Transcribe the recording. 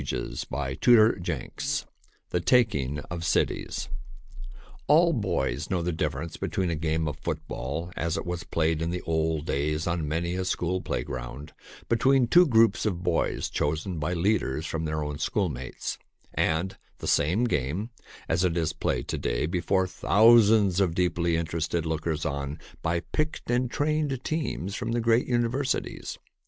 ea, by Archidamus [i] THE TAKING OF CITIES ALL boys know the difference between a game /% of football as it was played in the old days JL JLi on many a school playground between two groups of boys chosen by leaders from their own schoolmates, and the same game as it is played to day before thousands of deeply interested lookers on by picked and trained teams from the great universities.